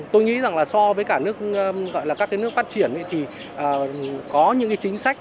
tôi nghĩ rằng là so với cả các nước phát triển thì có những chính sách